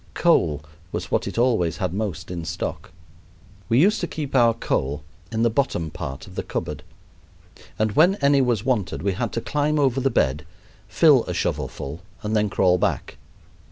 Coal was what it always had most in stock. We used to keep our coal in the bottom part of the cupboard, and when any was wanted we had to climb over the bed, fill a shovelful, and then crawl back.